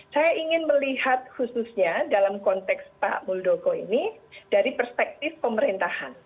saya ingin melihat khususnya dalam konteks pak muldoko ini dari perspektif pemerintahan